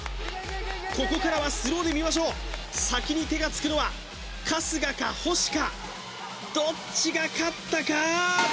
ここからはスローで見ましょう先に手がつくのは春日か星かどっちが勝ったか？